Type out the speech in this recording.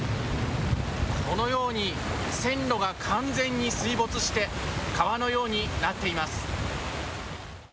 このように線路が完全に水没して川のようになっています。